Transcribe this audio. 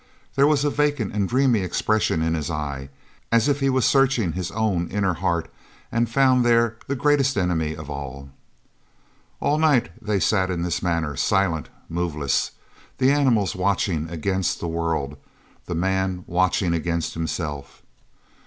There was a vacant and dreamy expression in his eye as if he was searching his own inner heart and found there the greatest enemy of all. All night they sat in this manner, silent, moveless; the animals watching against the world, the man watching against himself.